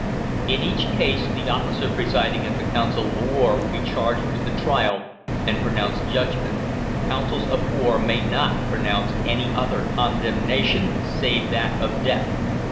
= IN EACH CASE the officer presiding at the Council of War will be charged with the trial, and pronounce judgment. Councils of War may not pronounce ANY OTHER CONDEMNATION SAVE THAT OF DEATH.